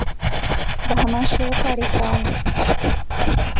بەهەمان شێوە پارێزراون